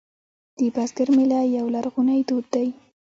د بزګر میله یو لرغونی دود دی